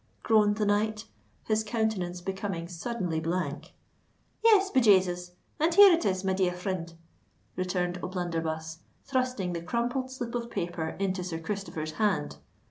groaned the knight, his countenance becoming suddenly blank. "Yes—be Jasus! and here it is, my dear frind," returned O'Blunderbuss, thrusting the rumpled slip of paper into Sir Christopher's hand.